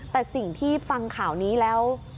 แต่สิ่งที่ฟังข่าวนี้แล้ว